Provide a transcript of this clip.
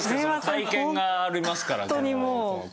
体験がありますからね。